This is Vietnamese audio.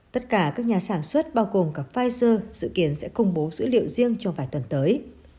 tất cả các nhà sản xuất bao gồm cả pfizer dự kiến sẽ công bố dữ liệu riêng trong vài tuần tới